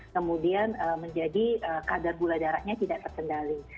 kemudian menjadi kadar gula darahnya tidak terkendali